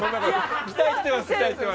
期待してます。